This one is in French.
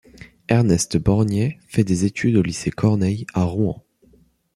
Ernest Borgnet fait des études au lycée Corneille à Rouen.